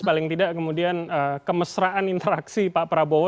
paling tidak kemudian kemesraan interaksi pak prabowo